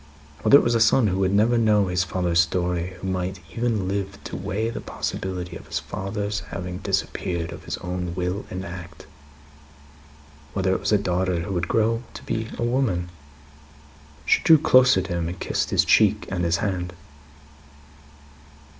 Whether it was a son who would never know his father's story; who might even live to weigh the possibility of his father's having disappeared of his own will and act. Whether it was a daughter who would grow to be a woman." She drew closer to him, and kissed his cheek and his hand.